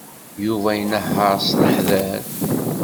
Yuba inehheṛ s leḥder.